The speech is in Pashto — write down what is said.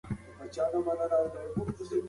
که علم نه وي نو ټولنه وروسته پاتې کېږي.